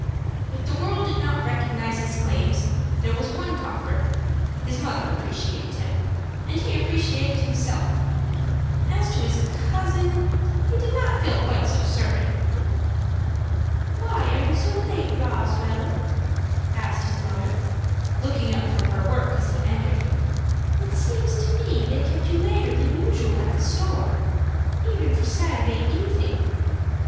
If the world did not recognize his claims, there was one comfort, his mother appreciated him, and he appreciated himself. As to his cousin, he did not feel quite so certain. "Why are you so late, Roswell?" asked his mother, looking up from her work as he entered. "It seems to me they kept you later than usual at the store, even for Saturday evening."